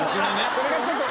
それがちょっと。